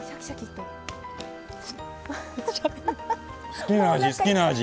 好きな味好きな味！